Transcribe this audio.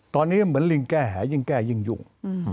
ตอนนี้เหมือนลิงแก้แหยิ่งแก้ยิ่งยุ่ง